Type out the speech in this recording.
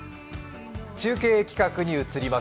中継企画に移ります。